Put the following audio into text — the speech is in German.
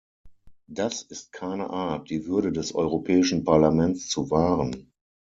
Das ist keine Art, die Würde des Europäischen Parlaments zu wahren.